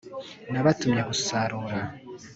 nabatumye gusarura